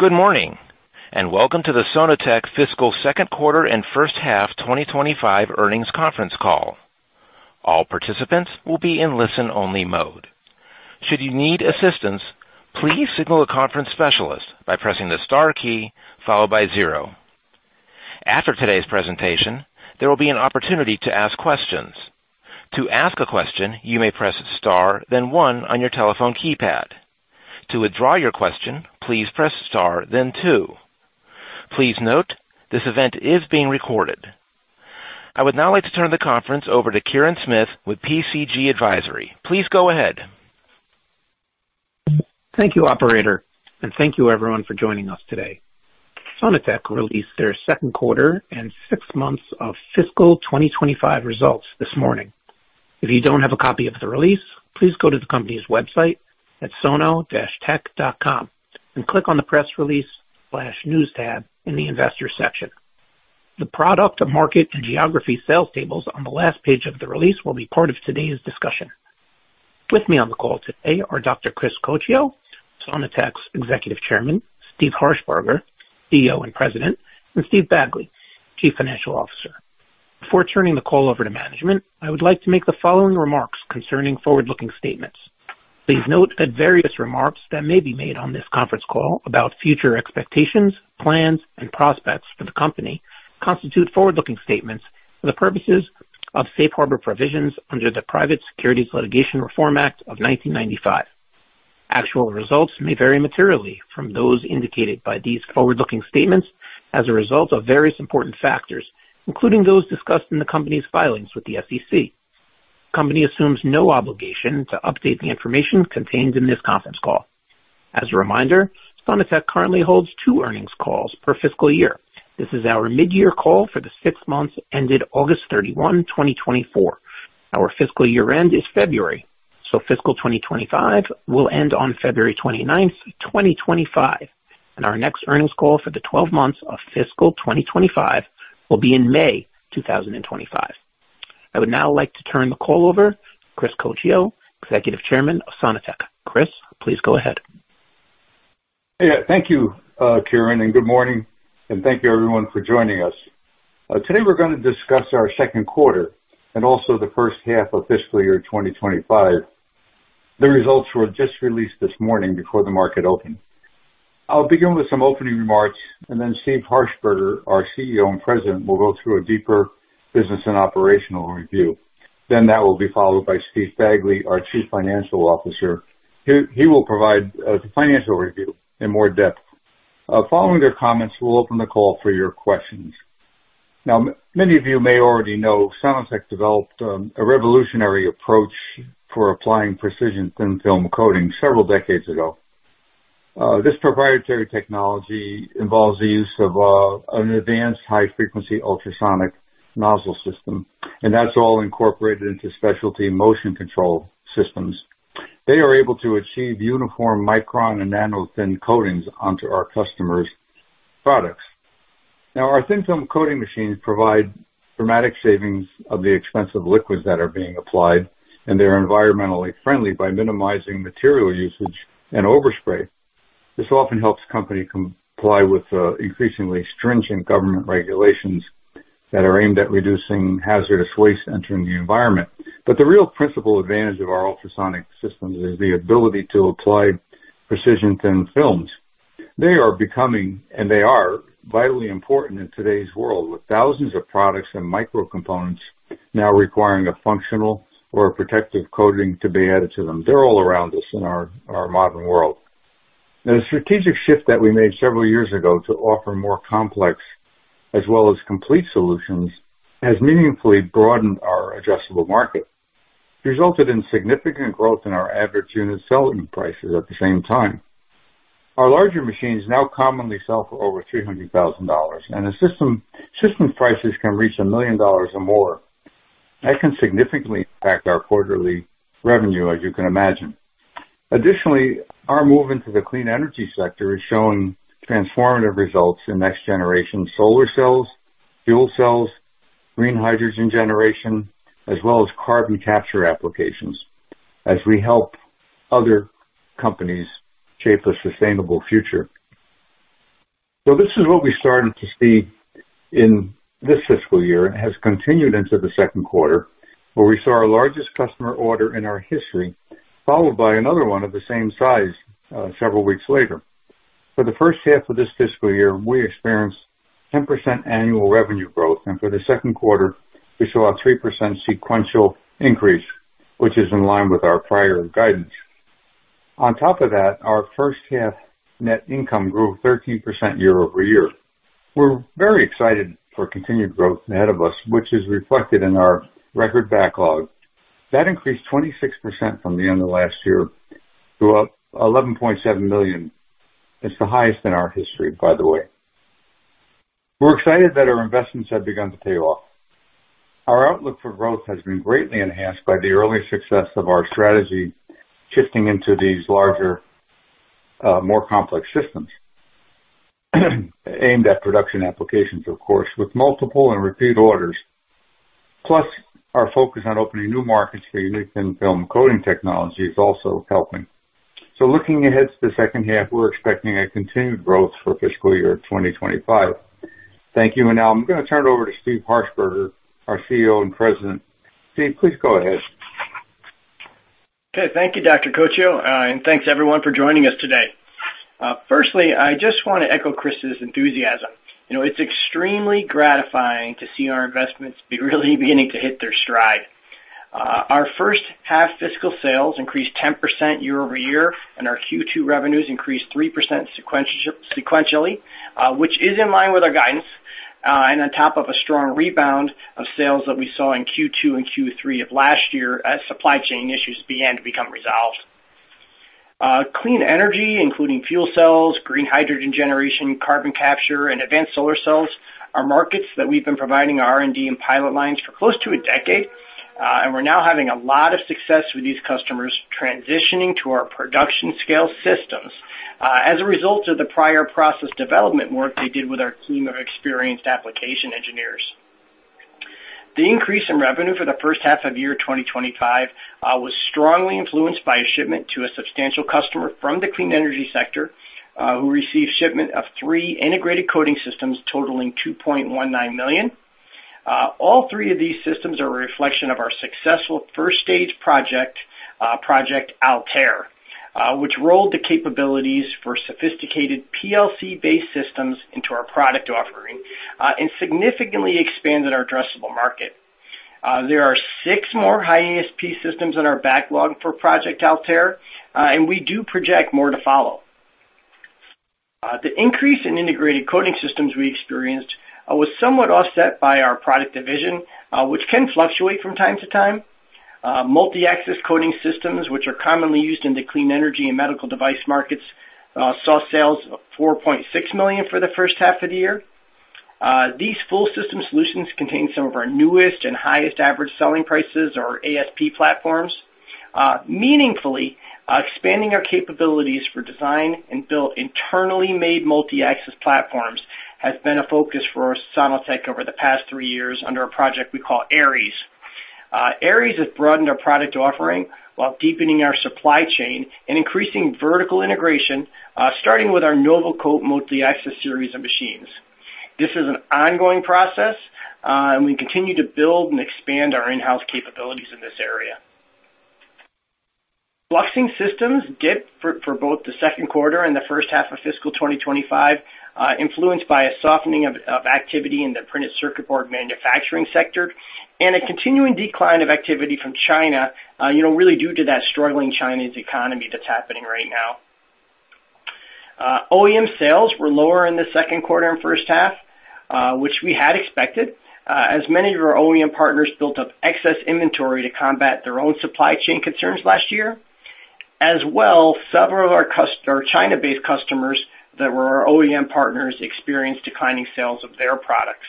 Good morning, and welcome to the Sono-Tek fiscal second quarter and first half 2025 earnings conference call. All participants will be in listen-only mode. Should you need assistance, please signal a conference specialist by pressing the star key followed by zero. After today's presentation, there will be an opportunity to ask questions. To ask a question, you may press star, then one on your telephone keypad. To withdraw your question, please press star, then two. Please note, this event is being recorded. I would now like to turn the conference over to Kirin Smith with PCG Advisory. Please go ahead. Thank you, operator, and thank you everyone for joining us today. Sono-Tek released their second quarter and six months of fiscal 2025 results this morning. If you don't have a copy of the release, please go to the company's website at sono-tek.com and click on the Press Release/News tab in the Investors section. The product, the market, and geography sales tables on the last page of the release will be part of today's discussion. With me on the call today are Dr. Chris Coccio, Sono-Tek's Executive Chairman, Steve Harshbarger, CEO and President, and Steve Bagley, Chief Financial Officer. Before turning the call over to management, I would like to make the following remarks concerning forward-looking statements. Please note that various remarks that may be made on this conference call about future expectations, plans, and prospects for the company constitute forward-looking statements for the purposes of safe harbor provisions under the Private Securities Litigation Reform Act of 1995. Actual results may vary materially from those indicated by these forward-looking statements as a result of various important factors, including those discussed in the company's filings with the SEC. The company assumes no obligation to update the information contained in this conference call. As a reminder, Sono-Tek currently holds two earnings calls per fiscal year. This is our mid-year call for the six months ended August 31, 2024. Our fiscal year end is February, so fiscal 2025 will end on February 29th, 2025, and our next earnings call for the twelve months of fiscal 2025 will be in May 2025. I would now like to turn the call over to Chris Coccio, Executive Chairman of Sono-Tek. Chris, please go ahead. Yeah, thank you, Kirin, and good morning, and thank you, everyone, for joining us. Today, we're gonna discuss our second quarter and also the first half of fiscal year 2025. The results were just released this morning before the market opened. I'll begin with some opening remarks, and then Steve Harshbarger, our CEO and President, will go through a deeper business and operational review. Then that will be followed by Steve Bagley, our Chief Financial Officer. He will provide the financial review in more depth. Following their comments, we'll open the call for your questions. Now, many of you may already know, Sono-Tek developed a revolutionary approach for applying precision thin-film coating several decades ago. This proprietary technology involves the use of an advanced high-frequency ultrasonic nozzle system, and that's all incorporated into specialty motion control systems. They are able to achieve uniform micron and nanothin coatings onto our customers' products. Now, our thin-film coating machines provide dramatic savings of the expensive liquids that are being applied, and they're environmentally friendly by minimizing material usage and overspray. This often helps company comply with increasingly stringent government regulations that are aimed at reducing hazardous waste entering the environment. But the real principal advantage of our ultrasonic systems is the ability to apply precision thin films. They are becoming, and they are, vitally important in today's world, with thousands of products and micro components now requiring a functional or protective coating to be added to them. They're all around us in our modern world. The strategic shift that we made several years ago to offer more complex as well as complete solutions has meaningfully broadened our addressable market, resulted in significant growth in our average unit selling prices at the same time. Our larger machines now commonly sell for over $300,000, and the system prices can reach $1 million or more. That can significantly impact our quarterly revenue, as you can imagine. Additionally, our move into the clean energy sector is showing transformative results in next-generation solar cells, fuel cells, green hydrogen generation, as well as carbon capture applications, as we help other companies shape a sustainable future. So this is what we started to see in this fiscal year and has continued into the second quarter, where we saw our largest customer order in our history, followed by another one of the same size several weeks later. For the first half of this fiscal year, we experienced 10% annual revenue growth, and for the second quarter, we saw a 3% sequential increase, which is in line with our prior guidance. On top of that, our first half net income grew 13% year over year. We're very excited for continued growth ahead of us, which is reflected in our record backlog. That increased 26% from the end of last year to $11.7 million. It's the highest in our history, by the way. We're excited that our investments have begun to pay off. Our outlook for growth has been greatly enhanced by the early success of our strategy, shifting into these larger, more complex systems aimed at production applications, of course, with multiple and repeat orders. Plus, our focus on opening new markets for unique thin film coating technology is also helping. So looking ahead to the second half, we're expecting a continued growth for fiscal year 2025. Thank you, and now I'm going to turn it over to Steve Harshbarger, our CEO and President. Steve, please go ahead. Okay. Thank you, Dr. Coccio, and thanks everyone for joining us today. Firstly, I just want to echo Chris's enthusiasm. You know, it's extremely gratifying to see our investments be really beginning to hit their stride. Our first half fiscal sales increased 10% year over year, and our Q2 revenues increased 3% sequential, sequentially, which is in line with our guidance, and on top of a strong rebound of sales that we saw in Q2 and Q3 of last year as supply chain issues began to become resolved. Clean energy, including fuel cells, green hydrogen generation, carbon capture, and advanced solar cells, are markets that we've been providing R&D and pilot lines for close to a decade. We're now having a lot of success with these customers transitioning to our production scale systems, as a result of the prior process development work they did with our team of experienced application engineers. The increase in revenue for the first half of 2025 was strongly influenced by a shipment to a substantial customer from the clean energy sector, who received shipment of three integrated coating systems totaling $2.19 million. All three of these systems are a reflection of our successful first stage project, Project Altair, which rolled the capabilities for sophisticated PLC-based systems into our product offering, and significantly expanded our addressable market. There are six more high ASP systems in our backlog for Project Altair, and we do project more to follow. The increase in integrated coating systems we experienced was somewhat offset by our product division, which can fluctuate from time to time. Multi-axis coating systems, which are commonly used in the clean energy and medical device markets, saw sales of $4.6 million for the first half of the year. These full system solutions contain some of our newest and highest average selling prices, or ASP platforms. Meaningfully, expanding our capabilities for design and build internally made multi-axis platforms has been a focus for Sono-Tek over the past three years under a project we call Aries. Aries has broadened our product offering while deepening our supply chain and increasing vertical integration, starting with our NovoCoat multi-axis series of machines. This is an ongoing process, and we continue to build and expand our in-house capabilities in this area. Fluxing systems dipped for both the second quarter and the first half of fiscal 2025, influenced by a softening of activity in the printed circuit board manufacturing sector and a continuing decline of activity from China, you know, really due to that struggling Chinese economy that's happening right now. OEM sales were lower in the second quarter and first half, which we had expected, as many of our OEM partners built up excess inventory to combat their own supply chain concerns last year. As well, several of our our China-based customers that were our OEM partners experienced declining sales of their products.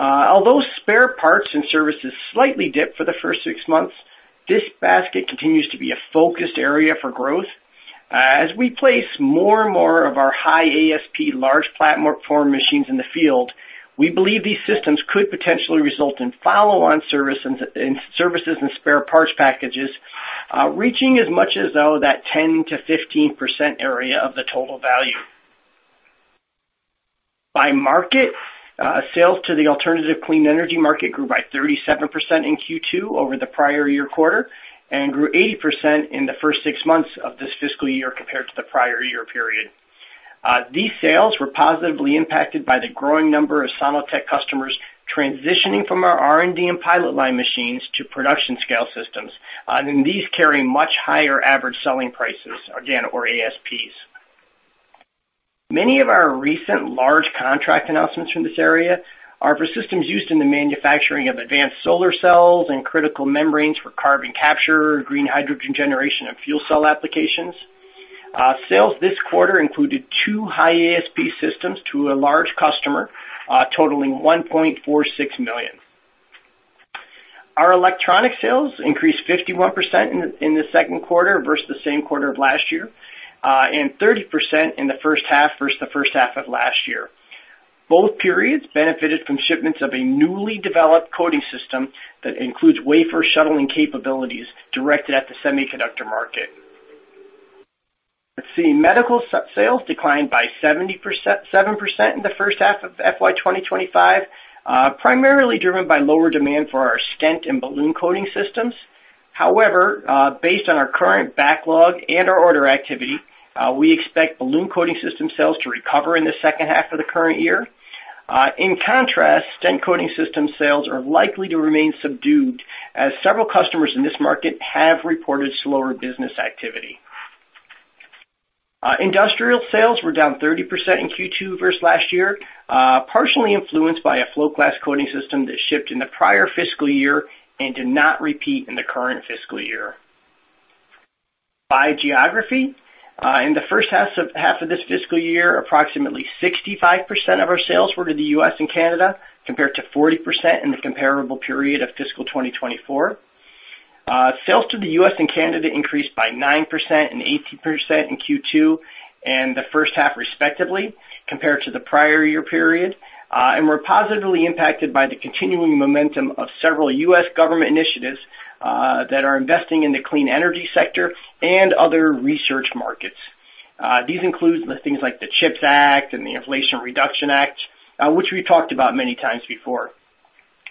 Although spare parts and services slightly dipped for the first six months, this basket continues to be a focused area for growth. As we place more and more of our high ASP, large platform machines in the field, we believe these systems could potentially result in follow-on service and services and spare parts packages, reaching as much as that 10%-15% area of the total value. By market, sales to the alternative clean energy market grew by 37% in Q2 over the prior year quarter, and grew 80% in the first six months of this fiscal year compared to the prior year period. These sales were positively impacted by the growing number of Sono-Tek customers transitioning from our R&D and pilot line machines to production scale systems, and these carry much higher average selling prices, again, or ASPs. Many of our recent large contract announcements from this area are for systems used in the manufacturing of advanced solar cells and critical membranes for carbon capture, green hydrogen generation, and fuel cell applications. Sales this quarter included two high ASP systems to a large customer, totaling $1.46 million. Our electronic sales increased 51% in the second quarter versus the same quarter of last year, and 30% in the first half versus the first half of last year. Both periods benefited from shipments of a newly developed coating system that includes wafer shuttling capabilities directed at the semiconductor market. Let's see, medical sales declined by 70%... 7% in the first half of FY 2025, primarily driven by lower demand for our stent and balloon coating systems. However, based on our current backlog and our order activity, we expect balloon coating system sales to recover in the second half of the current year. In contrast, stent coating system sales are likely to remain subdued, as several customers in this market have reported slower business activity. Industrial sales were down 30% in Q2 versus last year, partially influenced by a float glass coating system that shipped in the prior fiscal year and did not repeat in the current fiscal year. By geography, in the first half of this fiscal year, approximately 65% of our sales were to the US and Canada, compared to 40% in the comparable period of fiscal 2024. Sales to the US and Canada increased by 9% and 18% in Q2 and the first half, respectively, compared to the prior year period. And we're positively impacted by the continuing momentum of several US government initiatives that are investing in the clean energy sector and other research markets. These include the things like the CHIPS Act and the Inflation Reduction Act, which we talked about many times before.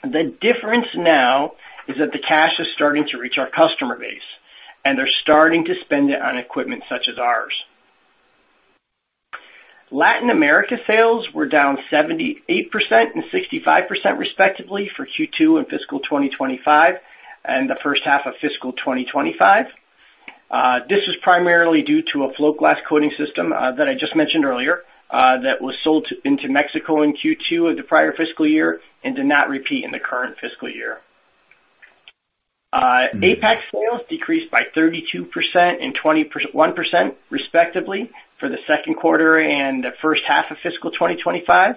The difference now is that the cash is starting to reach our customer base, and they're starting to spend it on equipment such as ours. Latin America sales were down 78% and 65%, respectively, for Q2 and fiscal 2025, and the first half of fiscal 2025. This was primarily due to a float glass coating system that I just mentioned earlier that was sold into Mexico in Q2 of the prior fiscal year and did not repeat in the current fiscal year. APAC sales decreased by 32% and 21% respectively, for the second quarter and the first half of fiscal 2025.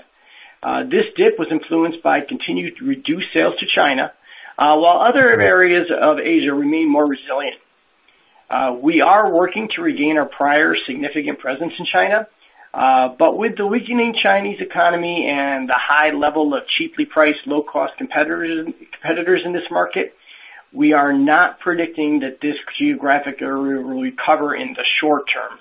This dip was influenced by continued reduced sales to China while other areas of Asia remain more resilient. We are working to regain our prior significant presence in China, but with the weakening Chinese economy and the high level of cheaply priced, low-cost competitors in this market, we are not predicting that this geographic area will recover in the short term.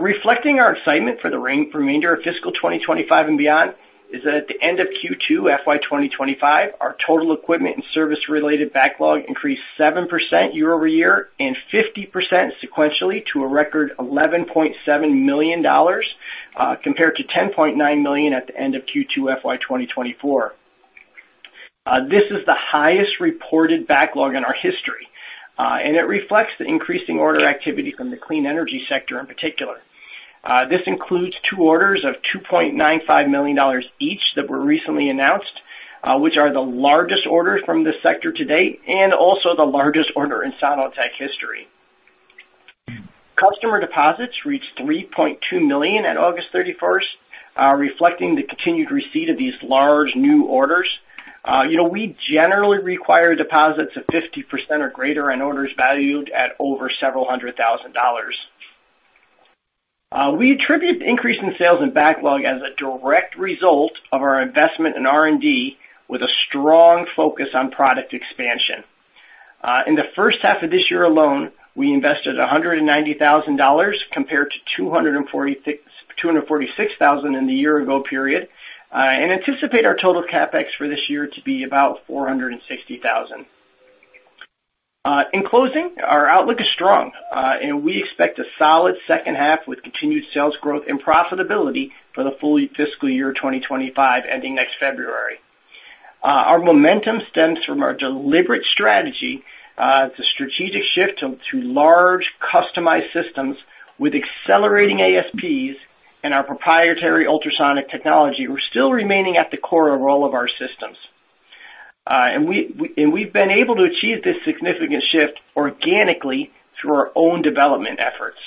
Reflecting our excitement for the remainder of fiscal 2025 and beyond, is that at the end of Q2 FY 2025, our total equipment and service-related backlog increased 7% year over year, and 50% sequentially to a record $11.7 million, compared to $10.9 million at the end of Q2 FY 2024. This is the highest reported backlog in our history, and it reflects the increasing order activity from the clean energy sector in particular. This includes two orders of $2.95 million each, that were recently announced, which are the largest orders from this sector to date, and also the largest order in Sono-Tek history. Customer deposits reached $3.2 million at August 31, reflecting the continued receipt of these large new orders. You know, we generally require deposits of 50% or greater on orders valued at over several hundred thousand dollars. We attribute the increase in sales and backlog as a direct result of our investment in R&D, with a strong focus on product expansion. In the first half of this year alone, we invested $190,000, compared to $246,000 in the year ago period, and anticipate our total CapEx for this year to be about $460,000. In closing, our outlook is strong, and we expect a solid second half with continued sales growth and profitability for the full fiscal year 2025, ending next February. Our momentum stems from our deliberate strategy, the strategic shift to large customized systems with accelerating ASPs and our proprietary ultrasonic technology. We're still remaining at the core role of our systems. And we've been able to achieve this significant shift organically through our own development efforts.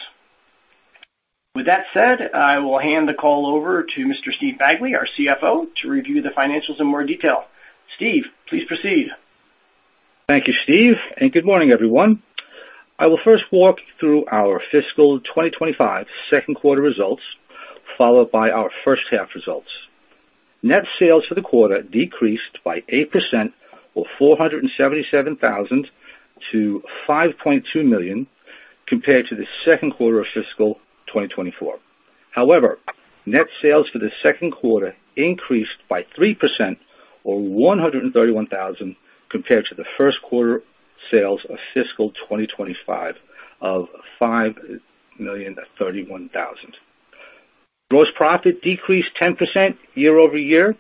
With that said, I will hand the call over to Mr. Steve Bagley, our CFO, to review the financials in more detail. Steve, please proceed. Thank you, Steve, and good morning, everyone. I will first walk through our fiscal 2025 second quarter results, followed by our first half results. Net sales for the quarter decreased by 8%, or $477,000 to $5.2 million, compared to the second quarter of fiscal 2024. However, net sales for the second quarter increased by 3% or $131,000, compared to the first quarter sales of fiscal 2025 of $5,031,000. Gross profit decreased 10% year over year,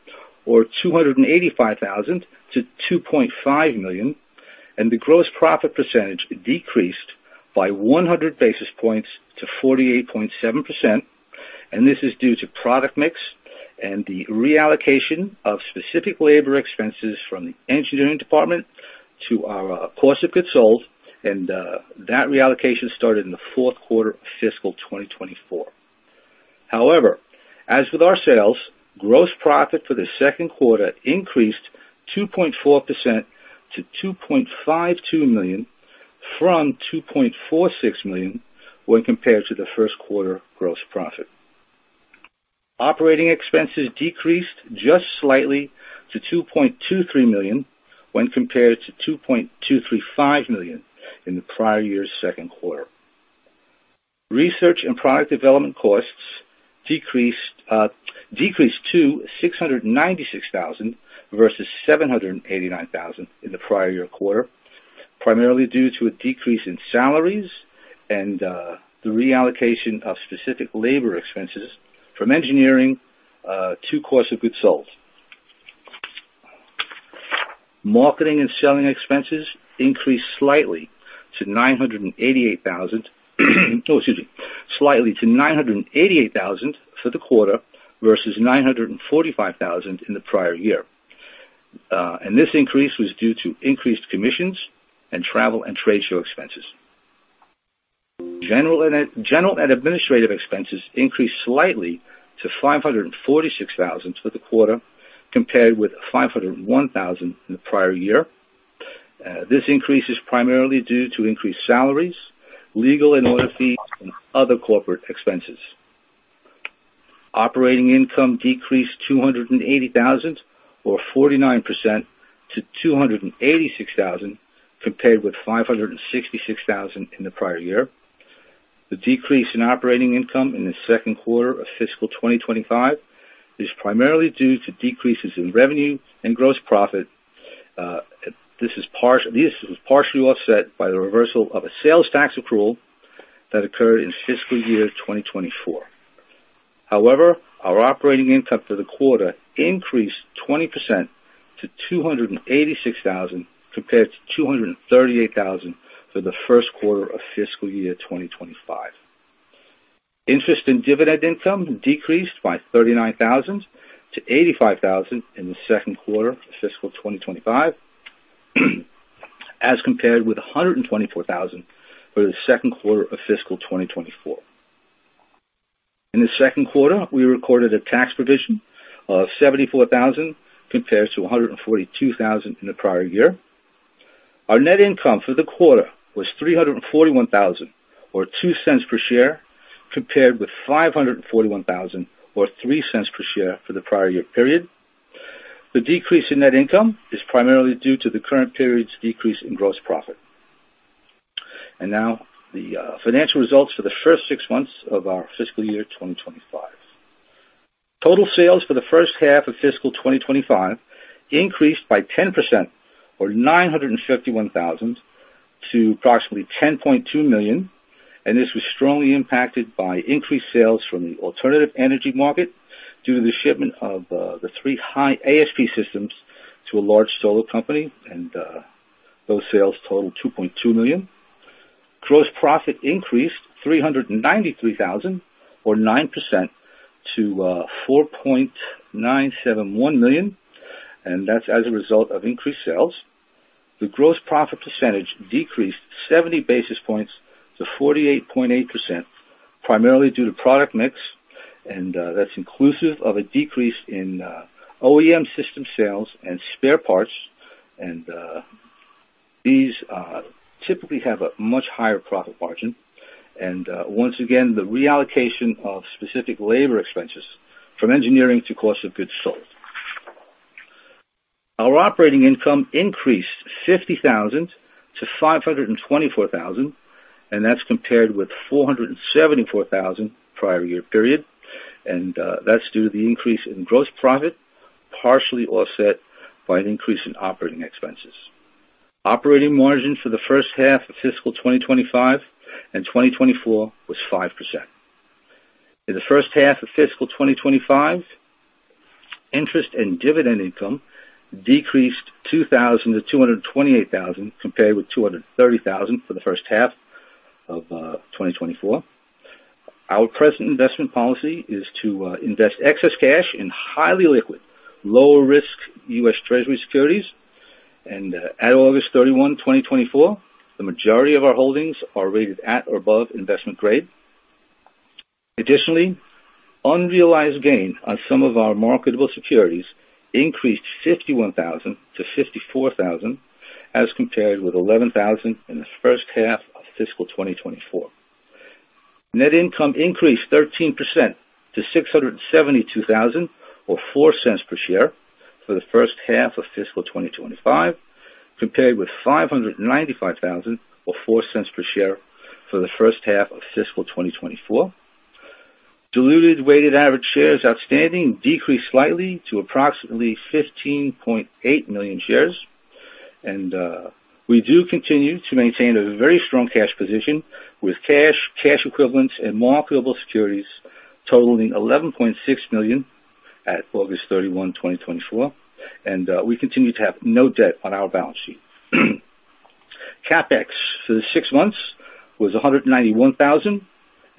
or $285,000 to $2.5 million, and the gross profit percentage decreased by 100 basis points to 48.7%, and this is due to product mix and the reallocation of specific labor expenses from the engineering department to our cost of goods sold. And, that reallocation started in the fourth quarter of fiscal 2024. However, as with our sales, gross profit for the second quarter increased 2.4% to $2.52 million, from $2.46 million when compared to the first quarter gross profit. Operating expenses decreased just slightly to $2.23 million, when compared to $2.235 million in the prior year's second quarter. Research and product development costs decreased to $696,000 versus $789,000 in the prior year quarter, primarily due to a decrease in salaries and the reallocation of specific labor expenses from engineering to cost of goods sold. Marketing and selling expenses increased slightly to $988,000. Oh, excuse me. Slightly to $988,000 for the quarter, versus $945,000 in the prior year. And this increase was due to increased commissions and travel and trade show expenses. General and administrative expenses increased slightly to $546,000 for the quarter, compared with $501,000 in the prior year. This increase is primarily due to increased salaries, legal and audit fees, and other corporate expenses. Operating income decreased $280,000, or 49% to $286,000, compared with $566,000 in the prior year. The decrease in operating income in the second quarter of fiscal 2025 is primarily due to decreases in revenue and gross profit. This was partially offset by the reversal of a sales tax accrual that occurred in fiscal year 2024. However, our operating income for the quarter increased 20% to $286,000, compared to $238,000 for the first quarter of fiscal year 2025. Interest and dividend income decreased by $39,000 to $85,000 in the second quarter of fiscal 2025, as compared with $124,000 for the second quarter of fiscal 2024. In the second quarter, we recorded a tax provision of $74,000, compared to $142,000 in the prior year. Our net income for the quarter was $341,000, or $0.02 per share, compared with $541,000, or $0.03 per share for the prior year period. The decrease in net income is primarily due to the current period's decrease in gross profit. And now, the financial results for the first six months of our fiscal year 2025. Total sales for the first half of fiscal 2025 increased by 10% or $951,000 to approximately $10.2 million, and this was strongly impacted by increased sales from the alternative energy market due to the shipment of the three high ASP systems to a large solar company, and those sales totaled $2.2 million. Gross profit increased $393,000 or 9% to $4.971 million, and that's as a result of increased sales. The gross profit percentage decreased 70 basis points to 48.8%, primarily due to product mix, and that's inclusive of a decrease in OEM system sales and spare parts, and these typically have a much higher profit margin, and once again, the reallocation of specific labor expenses from engineering to cost of goods sold. Our operating income increased $50,000 to $524,000, and that's compared with $474,000 prior year period, and that's due to the increase in gross profit, partially offset by an increase in operating expenses. Operating margin for the first half of fiscal 2025 and 2024 was 5%. In the first half of fiscal 2025, interest and dividend income decreased $2,000 to $228,000, compared with $230,000 for the first half of 2024. Our present investment policy is to invest excess cash in highly liquid, lower risk U.S. Treasury securities. And, at August 31, 2024, the majority of our holdings are rated at or above investment grade. Additionally, unrealized gain on some of our marketable securities increased $51,000 to $54,000, as compared with $11,000 in the first half of fiscal 2024. Net income increased 13% to $672,000 or $0.04 per share for the first half of fiscal 2025, compared with $595,000 or $0.04 per share for the first half of fiscal 2024. Diluted weighted average shares outstanding decreased slightly to approximately 15.8 million shares. And, we do continue to maintain a very strong cash position with cash, cash equivalents, and marketable securities totaling $11.6 million at August 31, 2024, and we continue to have no debt on our balance sheet. CapEx for the six months was $191,000,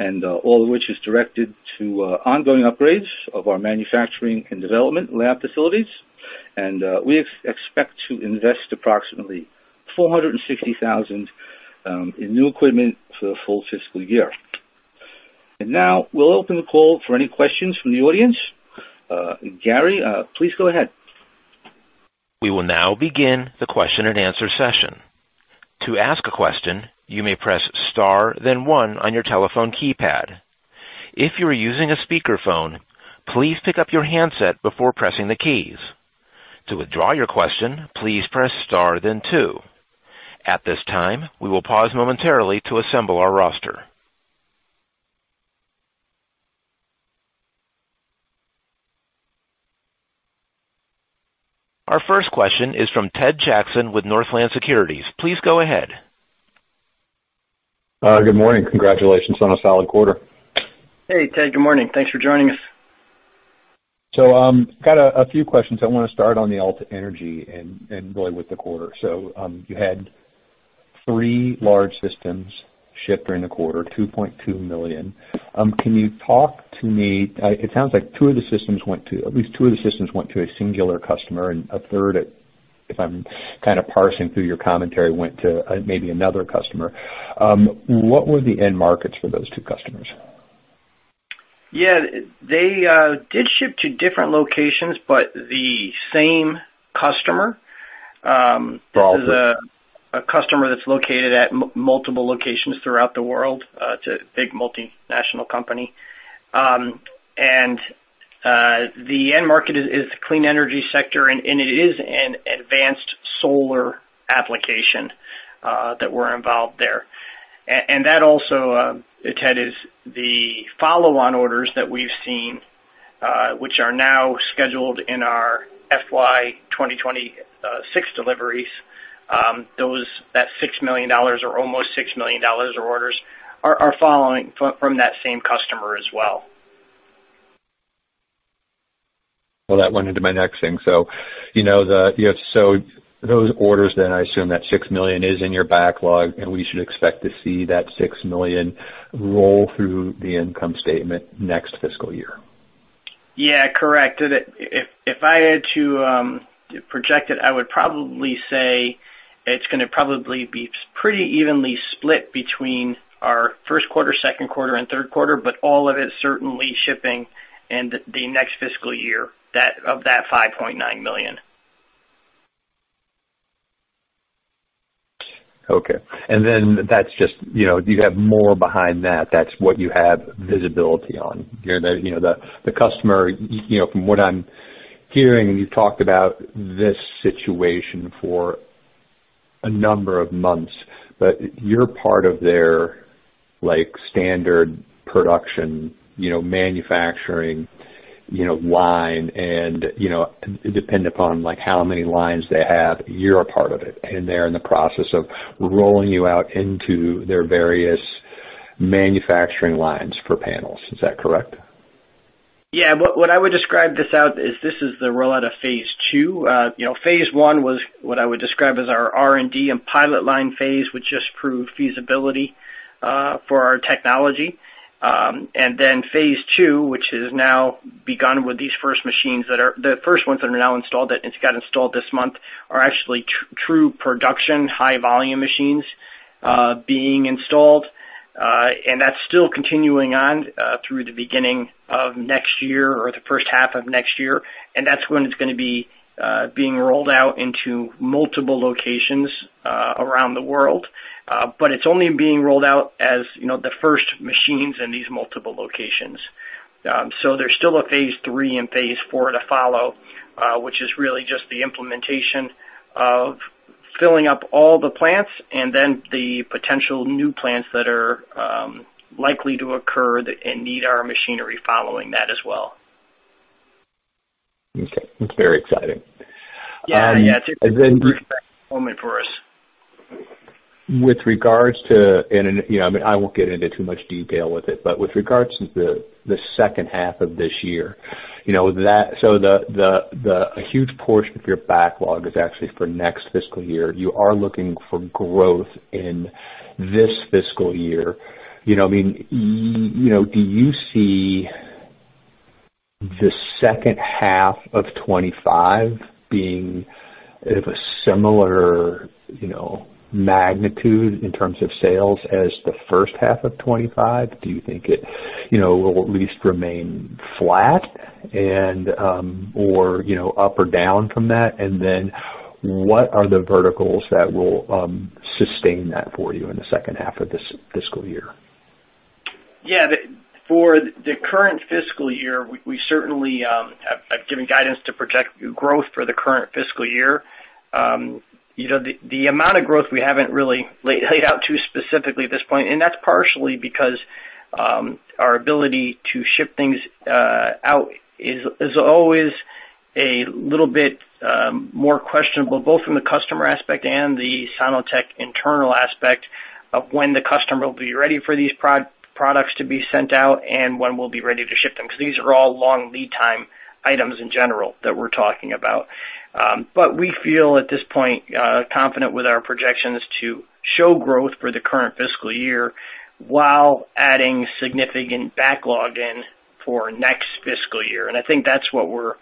and all of which is directed to ongoing upgrades of our manufacturing and development lab facilities. And, we expect to invest approximately $460,000 in new equipment for the full fiscal year. And now, we'll open the call for any questions from the audience. Gary, please go ahead. We will now begin the question and answer session. To ask a question, you may press star then one on your telephone keypad. If you are using a speakerphone, please pick up your handset before pressing the keys. To withdraw your question, please press star then two. At this time, we will pause momentarily to assemble our roster. Our first question is from Ted Jackson with Northland Securities. Please go ahead. Good morning. Congratulations on a solid quarter. Hey, Ted. Good morning. Thanks for joining us. Got a few questions. I want to start on the Alt Energy and really with the quarter. You had three large systems shipped during the quarter, $2.2 million. Can you talk to me? It sounds like at least two of the systems went to a singular customer and a third, if I'm kind of parsing through your commentary, went to maybe another customer. What were the end markets for those two customers? Yeah, they did ship to different locations, but the same customer, Probably. It is a customer that's located at multiple locations throughout the world. It's a big multinational company, and the end market is the clean energy sector, and it is an advanced solar application that we're involved there. That also, Ted, is the follow-on orders that we've seen, which are now scheduled in our FY 2026 deliveries. Those that $6 million or almost $6 million of orders are following from that same customer as well. That went into my next thing. So, you know, those orders then, I assume that $6 million is in your backlog, and we should expect to see that $6 million roll through the income statement next fiscal year. Yeah, correct. If I had to project it, I would probably say it's gonna probably be pretty evenly split between our first quarter, second quarter, and third quarter, but all of it certainly shipping in the next fiscal year, that of that $5.9 million. Okay. And then that's just, you know, you have more behind that. That's what you have visibility on. You know, the customer, you know, from what I'm hearing, and you've talked about this situation for a number of months, but you're part of their, like, standard production, you know, manufacturing, you know, line, and, you know, dependent upon, like, how many lines they have, you're a part of it, and they're in the process of rolling you out into their various manufacturing lines for panels. Is that correct? Yeah. What I would describe this as is this is the rollout of phase two. You know, phase one was what I would describe as our R&D and pilot line phase, which just proved feasibility for our technology. And then phase two, which has now begun with these first machines that are the first ones that are now installed, and it's got installed this month, are actually true production, high-volume machines being installed. And that's still continuing on through the beginning of next year or the first half of next year, and that's when it's gonna be being rolled out into multiple locations around the world. But it's only being rolled out as, you know, the first machines in these multiple locations. So, there's still a phase three and phase four to follow, which is really just the implementation of filling up all the plants and then the potential new plants that are likely to occur and need our machinery following that as well. Okay. That's very exciting. Yeah. Yeah, it's a big moment for us. With regards to, you know, I won't get into too much detail with it, but with regards to the second half of this year, you know, that. So a huge portion of your backlog is actually for next fiscal year. You are looking for growth in this fiscal year. You know, I mean, you know, do you see the second half of 2025 being of a similar, you know, magnitude in terms of sales as the first half of 2025? Do you think it, you know, will at least remain flat and, or, you know, up or down from that? And then, what are the verticals that will sustain that for you in the second half of this fiscal year? Yeah. For the current fiscal year, we certainly have given guidance to project growth for the current fiscal year. You know, the amount of growth we haven't really laid out too specifically at this point, and that's partially because our ability to ship things out is always a little bit more questionable, both from the customer aspect and the Sono-Tek internal aspect of when the customer will be ready for these products to be sent out and when we'll be ready to ship them, because these are all long lead time items in general that we're talking about. But we feel at this point confident with our projections to show growth for the current fiscal year while adding significant backlog in for next fiscal year. I think that's what we're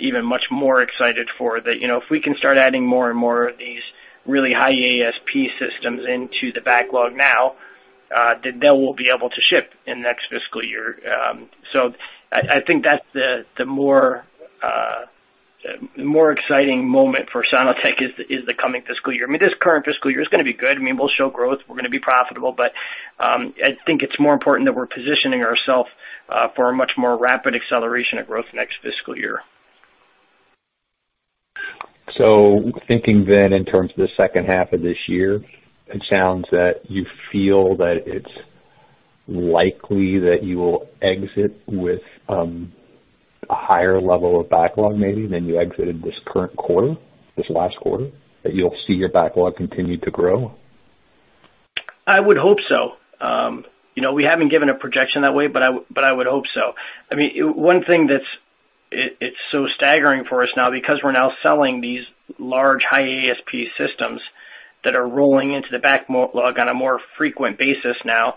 even much more excited for, that you know if we can start adding more and more of these really high ASP systems into the backlog now, then they will be able to ship in next fiscal year. So I think that's the more exciting moment for Sono-Tek is the coming fiscal year. I mean, this current fiscal year is gonna be good. I mean, we'll show growth, we're gonna be profitable, but I think it's more important that we're positioning ourselves for a much more rapid acceleration of growth next fiscal year. Thinking then in terms of the second half of this year, it sounds that you feel that it's likely that you will exit with a higher level of backlog, maybe, than you exited this current quarter, this last quarter, that you'll see your backlog continue to grow? I would hope so. You know, we haven't given a projection that way, but I, but I would hope so. I mean, one thing that's, it's so staggering for us now, because we're now selling these large, high ASP systems that are rolling into the backlog on a more frequent basis now,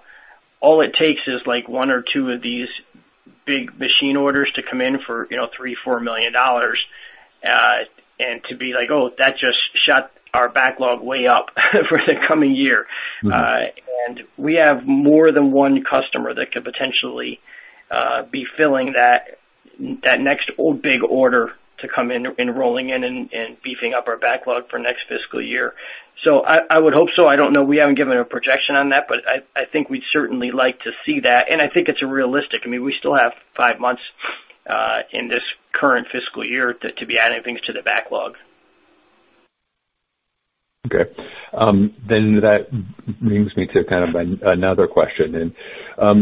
all it takes is, like, one or two of these big machine orders to come in for, you know, $3 million-$4 million, and to be like, "Oh, that just shot our backlog way up for the coming year. Mm-hmm. And we have more than one customer that could potentially be filling that next old big order to come in and rolling in and beefing up our backlog for next fiscal year. So I would hope so. I don't know. We haven't given a projection on that, but I think we'd certainly like to see that, and I think it's realistic. I mean, we still have five months in this current fiscal year to be adding things to the backlog. Okay. Then that brings me to kind of another question then.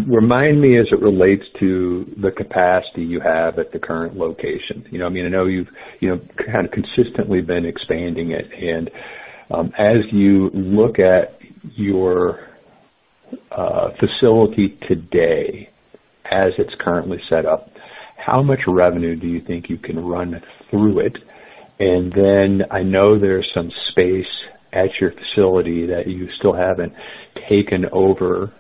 Remind me as it relates to the capacity you have at the current location. You know, I mean, I know you've, you know, kind of consistently been expanding it, and as you look at your facility today, as it's currently set up, how much revenue do you think you can run through it? And then I know there's some space at your facility that you still haven't taken over.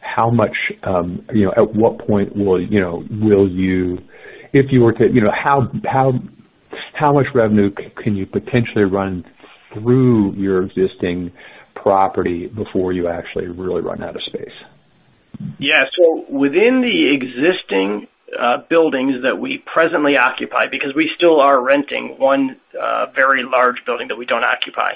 How much, you know, at what point will you, you know, if you were to, you know, how much revenue can you potentially run through your existing property before you actually really run out of space? Yeah. So within the existing buildings that we presently occupy, because we still are renting one very large building that we don't occupy,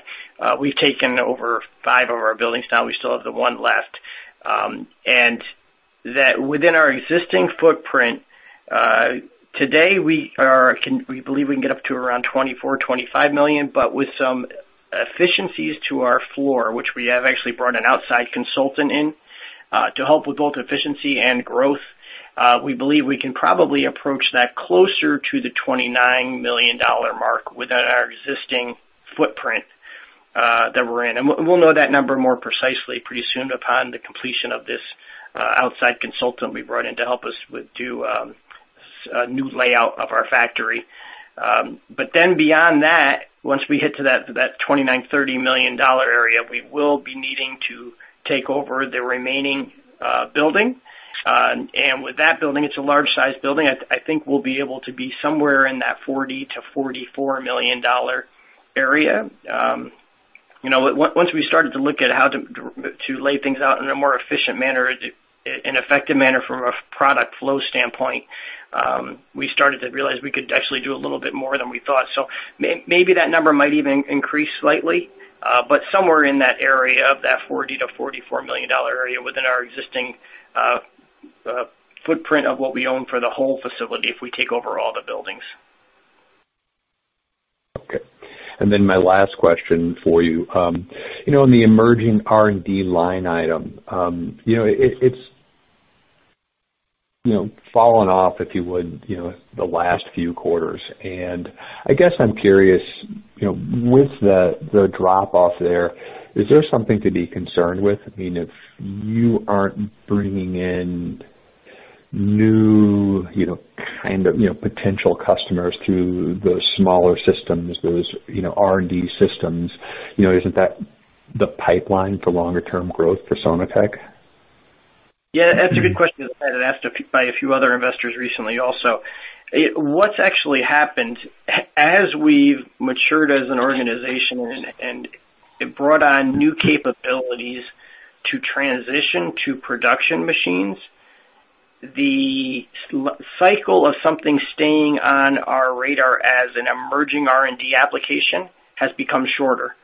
we've taken over five of our buildings now, we still have the one left. And that within our existing footprint today, we believe we can get up to around $24 million-$25 million, but with some efficiencies to our floor, which we have actually brought an outside consultant in to help with both efficiency and growth, we believe we can probably approach that closer to the $29 million mark within our existing footprint that we're in. And we'll know that number more precisely pretty soon upon the completion of this outside consultant we brought in to help us with a new layout of our factory. But then beyond that, once we hit to that $29 million-$30 million area, we will be needing to take over the remaining building. And with that building, it's a large-sized building. I think we'll be able to be somewhere in that $40 million-$44 million area. You know, once we started to look at how to lay things out in a more efficient manner, an effective manner from a product flow standpoint, we started to realize we could actually do a little bit more than we thought. So maybe that number might even increase slightly, but somewhere in that area of that $40 million-$44 million area within our existing footprint of what we own for the whole facility, if we take over all the buildings. Okay. Then my last question for you. You know, in the emerging R&D line item, you know, it's fallen off, if you would, you know, the last few quarters. And I guess I'm curious, you know, with the drop off there, is there something to be concerned with? I mean, if you aren't bringing in new, you know, kind of, you know, potential customers through those smaller systems, those, you know, R&D systems, you know, isn't that the pipeline for longer term growth for Sono-Tek? Yeah, that's a good question. I've been asked by a few other investors recently also. What's actually happened, as we've matured as an organization and brought on new capabilities to transition to production machines, the cycle of something staying on our radar as an emerging R&D application has become shorter.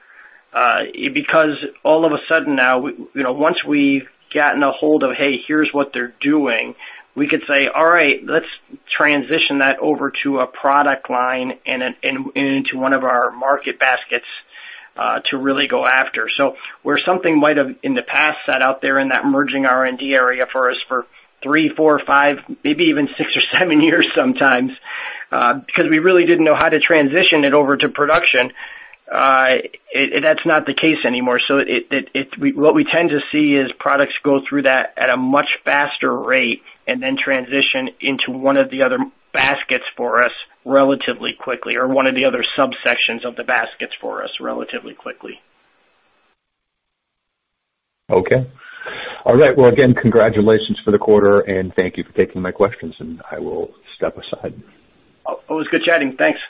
Because all of a sudden now, we, you know, once we've gotten a hold of, "Hey, here's what they're doing," we could say, "All right, let's transition that over to a product line and a, and, and to one of our market baskets, to really go after." So where something might have, in the past, sat out there in that emerging R&D area for us for three, four, five, maybe even six or seven years sometimes, because we really didn't know how to transition it over to production, that's not the case anymore. So what we tend to see is products go through that at a much faster rate, and then transition into one of the other baskets for us relatively quickly, or one of the other subsections of the baskets for us relatively quickly. Okay. All right. Well, again, congratulations for the quarter, and thank you for taking my questions, and I will step aside. Oh, it was good chatting. Thanks.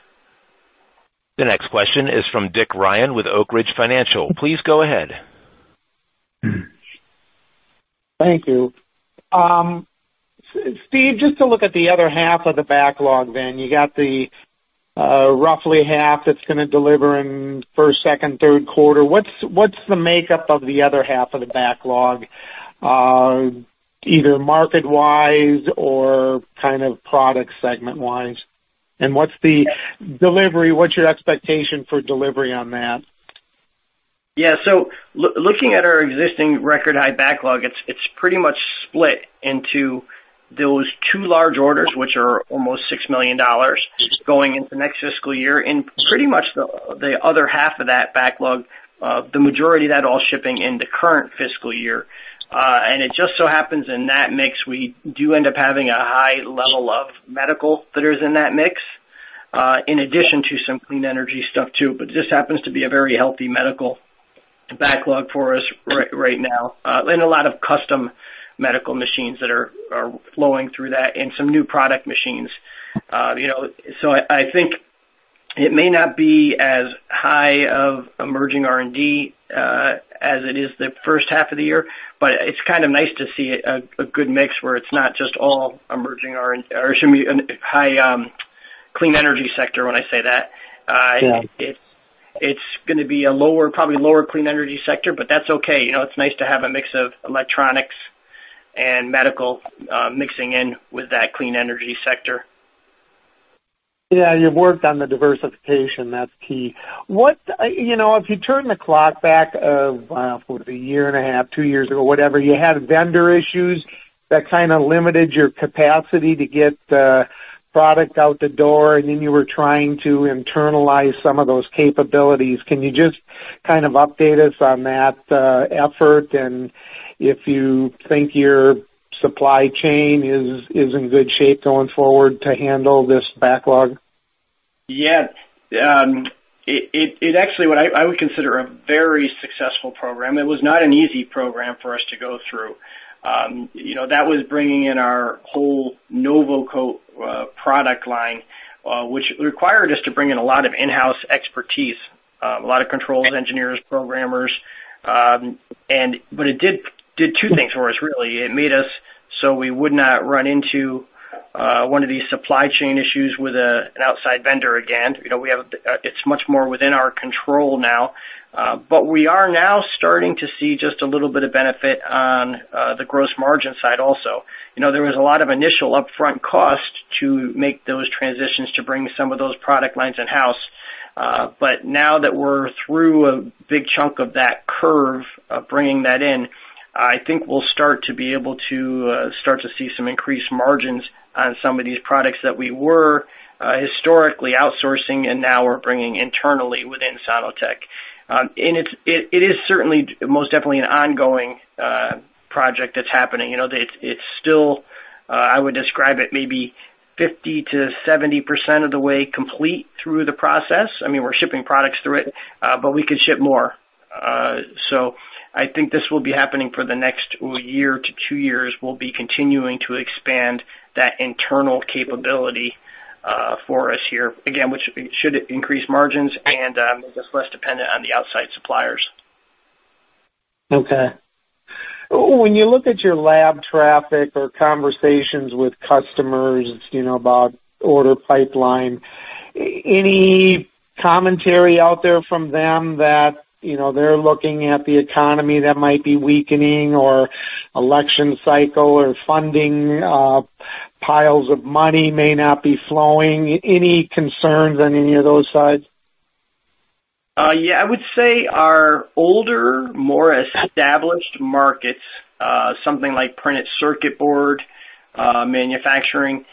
The next question is from Dick Ryan with Oak Ridge Financial. Please go ahead. Thank you. Steve, just to look at the other half of the backlog then, you got the roughly half that's gonna deliver in first, second, third quarter. What's the makeup of the other half of the backlog, either market-wise or kind of product segment-wise? And what's the delivery, your expectation for delivery on that? Yeah. So looking at our existing record-high backlog, it's pretty much split into those two large orders, which are almost $6 million going into next fiscal year, and pretty much the other half of that backlog, the majority of that, all shipping in the current fiscal year. And it just so happens in that mix, we do end up having a high level of medical that is in that mix, in addition to some clean energy stuff, too. But this happens to be a very healthy medical backlog for us right now, and a lot of custom medical machines that are flowing through that and some new product machines. You know, so I think it may not be as high of emerging R&D as it is the first half of the year, but it's kind of nice to see a good mix where it's not just all emerging R&D, or excuse me, high clean energy sector when I say that. Yeah. It's gonna be a lower clean energy sector, but that's okay. You know, it's nice to have a mix of electronics and medical, mixing in with that clean energy sector. Yeah, you've worked on the diversification, that's key. What, you know, if you turn the clock back of a year and a half, two years ago, whatever, you had vendor issues that kind of limited your capacity to get product out the door, and then you were trying to internalize some of those capabilities. Can you just kind of update us on that effort, and if you think your supply chain is in good shape going forward to handle this backlog? Yeah. It actually what I would consider a very successful program. It was not an easy program for us to go through. You know, that was bringing in our whole NovoCoat product line, which required us to bring in a lot of in-house expertise, a lot of control engineers, programmers, and. But it did two things for us, really. It made us so we would not run into one of these supply chain issues with an outside vendor again. You know, we have, it's much more within our control now, but we are now starting to see just a little bit of benefit on the gross margin side also. You know, there was a lot of initial upfront cost to make those transitions, to bring some of those product lines in-house, but now that we're through a big chunk of that curve of bringing that in, I think we'll start to be able to start to see some increased margins on some of these products that we were historically outsourcing, and now we're bringing internally within Sono-Tek. And it is certainly most definitely an ongoing project that's happening. You know, it's still, I would describe it maybe 50%-70% of the way complete through the process. I mean, we're shipping products through it, but we could ship more. So I think this will be happening for the next year to two years. We'll be continuing to expand that internal capability for us here, again, which should increase margins and make us less dependent on the outside suppliers. Okay. When you look at your lab traffic or conversations with customers, you know, about order pipeline, any commentary out there from them that, you know, they're looking at the economy that might be weakening, or election cycle, or funding, piles of money may not be flowing? Any concerns on any of those sides? Yeah, I would say our older, more established markets, something like printed circuit board manufacturing,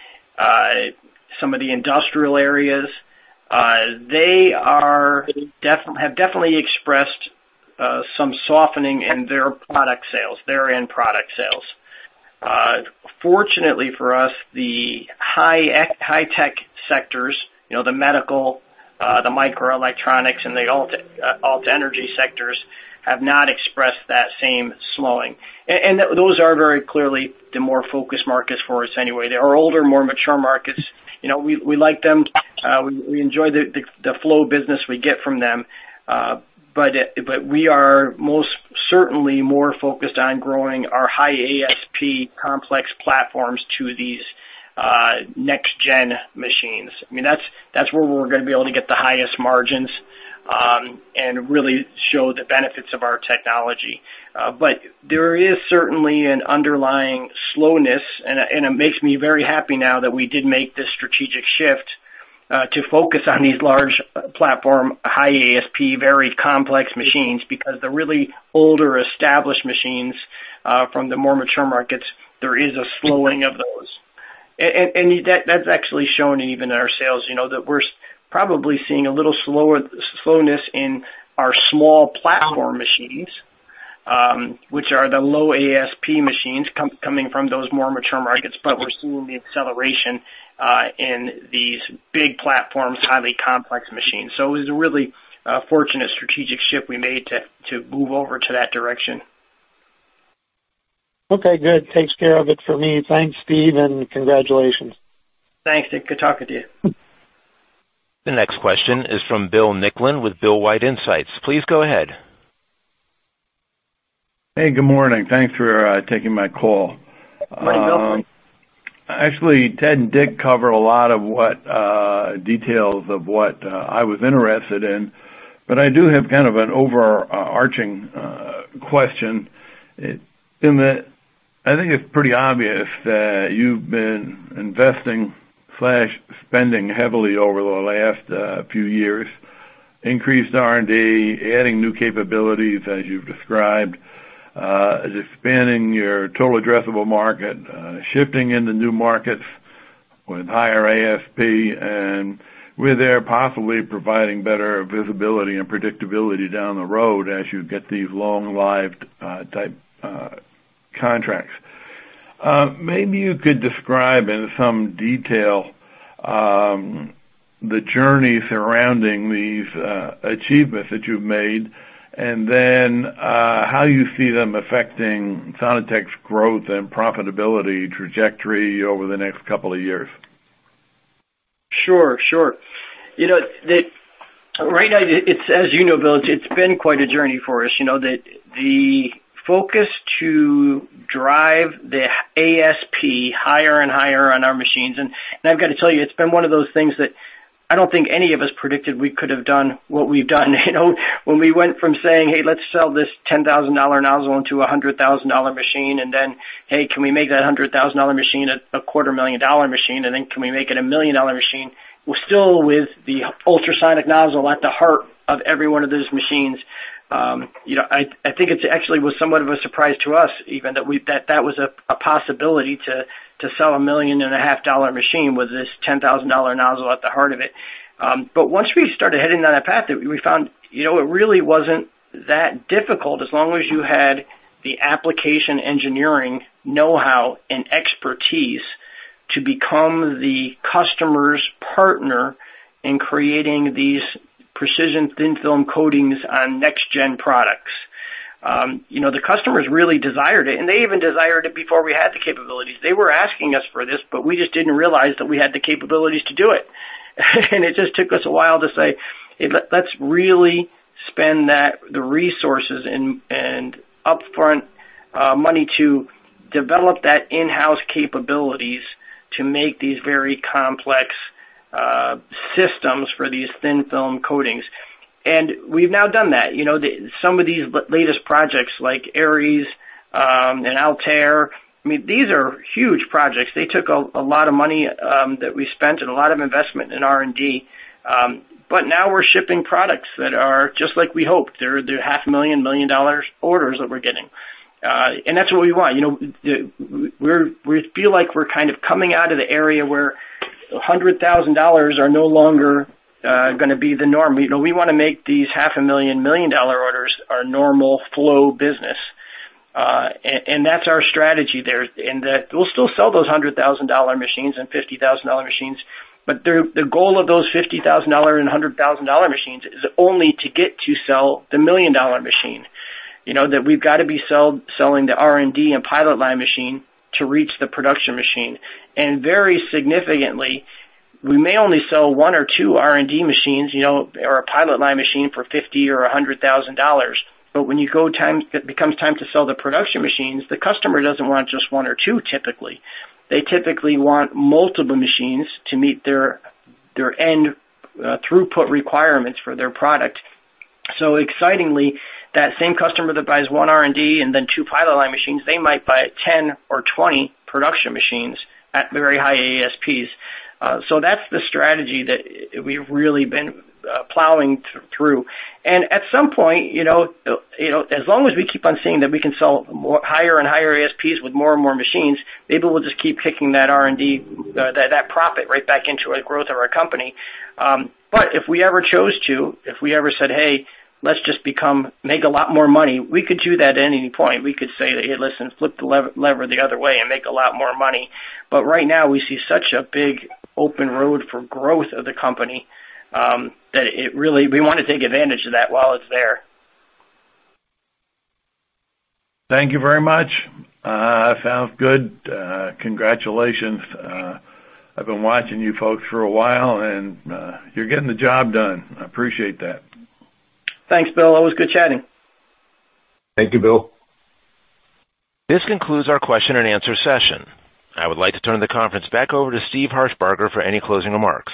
some of the industrial areas, they have definitely expressed some softening in their product sales, their end product sales. Fortunately for us, the high tech sectors, you know, the medical, the microelectronics and the alt energy sectors, have not expressed that same slowing. And those are very clearly the more focused markets for us anyway. They are older, more mature markets. You know, we like them, we enjoy the flow of business we get from them, but we are most certainly more focused on growing our high ASP complex platforms to these next gen machines. I mean, that's where we're gonna be able to get the highest margins, and really show the benefits of our technology. But there is certainly an underlying slowness, and it makes me very happy now that we did make this strategic shift to focus on these large platform, high ASP, very complex machines, because the really older, established machines from the more mature markets, there is a slowing of those. And that's actually shown even in our sales, you know, that we're probably seeing a little slowness in our small platform machines, which are the low ASP machines coming from those more mature markets, but we're seeing the acceleration in these big platforms, highly complex machines. So it was a really fortunate strategic shift we made to move over to that direction. Okay, good. Takes care of it for me. Thanks, Steve, and congratulations. Thanks, Dick. Good talking to you. The next question is from Bill Nicklin with Bill White Insights. Please go ahead. Hey, good morning. Thanks for taking my call. Good morning, Bill. Actually, Ted and Dick covered a lot of what, details of what, I was interested in, but I do have kind of an overarching question, in that I think it's pretty obvious that you've been investing slash spending heavily over the last, few years, increased R&D, adding new capabilities, as you've described, expanding your total addressable market, shifting into new markets with higher ASP, and with there possibly providing better visibility and predictability down the road as you get these long-lived, type, contracts. Maybe you could describe in some detail the journey surrounding these, achievements that you've made, and then, how you see them affecting Sono-Tek's growth and profitability trajectory over the next couple of years? Sure, sure. You know, the right now, it's, as you know, Bill, it's been quite a journey for us. You know, the, the focus to drive the ASP higher and higher on our machines, and I've got to tell you, it's been one of those things that I don't think any of us predicted we could have done what we've done. You know, when we went from saying, "Hey, let's sell this $10,000 nozzle into a $100,000 machine," and then, "Hey, can we make that $100,000 machine a $250,000 machine? And then, can we make it a $1 million machine?" We're still with the ultrasonic nozzle at the heart of every one of those machines. You know, I think it actually was somewhat of a surprise to us, even that was a possibility to sell a $1.5 million machine with this $10,000 nozzle at the heart of it. But once we started heading down that path, we found, you know, it really wasn't that difficult as long as you had the application engineering know-how and expertise to become the customer's partner in creating these precision thin-film coatings on next-gen products. You know, the customers really desired it, and they even desired it before we had the capabilities. They were asking us for this, but we just didn't realize that we had the capabilities to do it. It just took us a while to say, "Hey, let's really spend the resources and upfront money to develop that in-house capabilities to make these very complex systems for these thin film coatings." We've now done that. You know, some of these latest projects like Aries and Altair, I mean, these are huge projects. They took a lot of money that we spent and a lot of investment in R&D. But now we're shipping products that are just like we hoped. They're the $500,000-$1 million orders that we're getting, and that's what we want. You know, we feel like we're kind of coming out of the area where $100,000 are no longer gonna be the norm. You know, we wanna make these $500,000-$1 million dollar orders our normal flow business, and that's our strategy there, and that we'll still sell those $100,000 machines and $50,000 machines, but the goal of those $50,000 and $100,000 machines is only to get to sell the $1 million machine. You know, that we've got to be selling the R&D and pilot line machine to reach the production machine. And very significantly, we may only sell one or two R&D machines, you know, or a pilot line machine for $50,000 or $100,000, but when it becomes time to sell the production machines, the customer doesn't want just one or two typically. They typically want multiple machines to meet their end throughput requirements for their product. So excitingly, that same customer that buys one R&D and then two pilot line machines, they might buy 10 or 20 production machines at very high ASPs. So that's the strategy that we've really been plowing through. And at some point, you know, as long as we keep on seeing that we can sell more higher and higher ASPs with more and more machines, maybe we'll just keep kicking that R&D that profit right back into our growth of our company. But if we ever chose to, if we ever said, "Hey, let's just become, make a lot more money," we could do that at any point. We could say, "Hey, listen, flip the lever the other way and make a lot more money." But right now, we see such a big open road for growth of the company, that it really... We want to take advantage of that while it's there. Thank you very much. Sounds good. Congratulations. I've been watching you folks for a while, and you're getting the job done. I appreciate that. Thanks, Bill. Always good chatting. Thank you, Bill. This concludes our question and answer session. I would like to turn the conference back over to Steve Harshbarger for any closing remarks.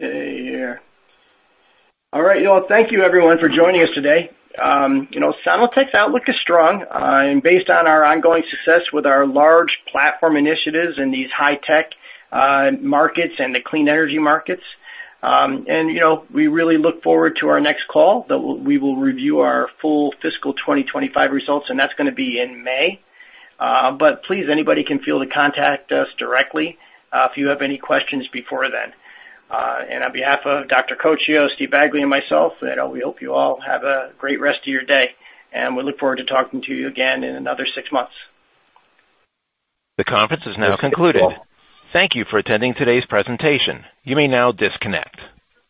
Okay, here. All right, y'all. Thank you everyone for joining us today. You know, Sono-Tek's outlook is strong, and based on our ongoing success with our large platform initiatives in these high tech markets and the clean energy markets. You know, we really look forward to our next call, that we will review our full fiscal 2025 results, and that's gonna be in May. But please, anybody can feel free to contact us directly, if you have any questions before then. And on behalf of Dr. Coccio, Steve Bagley, and myself, we hope you all have a great rest of your day, and we look forward to talking to you again in another six months. The conference is now concluded. Thank you for attending today's presentation. You may now disconnect.